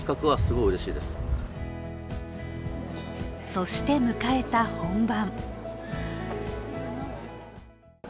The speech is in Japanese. そして迎えた本番。